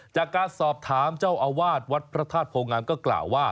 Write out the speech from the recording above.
จากการสอบถามเจ้าอาวาสวัดพระธาตุโพงามก็กล่าวว่า